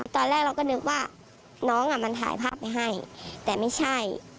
ตอนแรกเราก็นึกว่าน้องอ่ะมันถ่ายภาพไปให้แต่ไม่ใช่